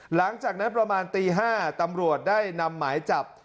หลังจากนั้นประมาณตี๕ตำรวจได้นำหมายจับ